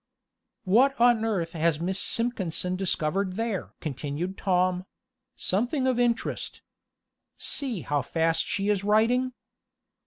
"What on earth has Miss Simpkinson discovered there?" continued Tom; "something of interest. See how fast she is writing."